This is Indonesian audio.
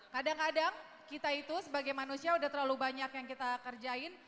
kadang kadang kita itu sebagai manusia udah terlalu banyak yang kita kerjain